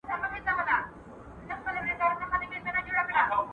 د پښتو ادب ځلانده ستوري به هېڅکله مړه نشي.